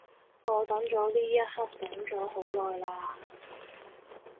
我等咗呢一刻等咗好耐嘞